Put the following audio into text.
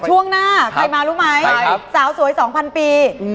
ช่วงหน้าใครมารู้ไหมสาวสวย๒๐๐ปี